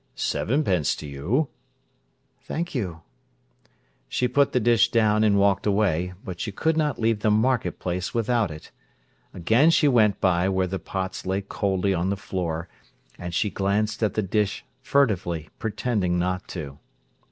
"Sevenpence to you." "Thank you." She put the dish down and walked away; but she could not leave the market place without it. Again she went by where the pots lay coldly on the floor, and she glanced at the dish furtively, pretending not to.